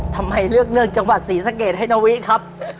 ทำไมเลือกเรื่องจังหวัดศรีสะเกดให้นาวิครับ